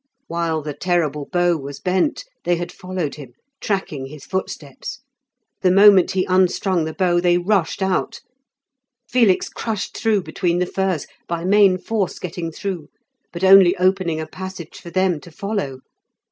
While the terrible bow was bent they had followed him, tracking his footsteps; the moment he unstrung the bow, they rushed out. Felix crushed through between the firs, by main force getting through, but only opening a passage for them to follow.